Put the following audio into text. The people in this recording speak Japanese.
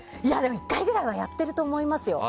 １回ぐらいはやっていると思いますよ。